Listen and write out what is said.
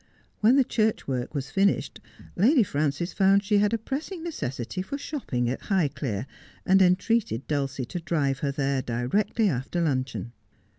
When the church work was finished, Lady Frances found she had a pressing necessity for shopping at High clere, and entreated Dulcie to drive her there directly after luncheon.